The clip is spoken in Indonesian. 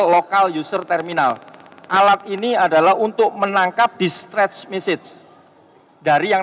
ikut berbela cengkareng